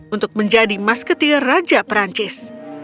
untuk menjadi masketir raja perancis